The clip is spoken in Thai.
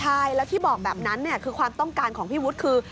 ใช่แล้วที่บอกแบบนั้นคือความต้องการของพี่วุฒิคือ